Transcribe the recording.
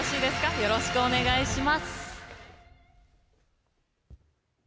よろしくお願いします。